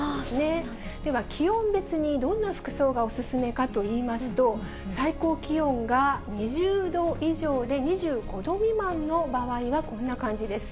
では気温別に、どんな服装がお勧めかといいますと、最高気温が２０度以上で、２５度未満の場合はこんな感じです。